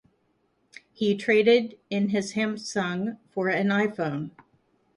He traded in his samsung for an iphone.